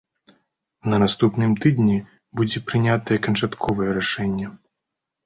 На наступным тыдні будзе прынятае канчатковае рашэнне.